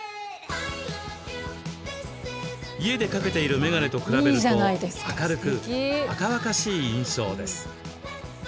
家で掛けている眼鏡と比べると明るく若々しい印象です。